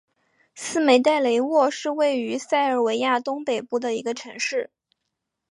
斯梅代雷沃是位于塞尔维亚东北部的一个城市。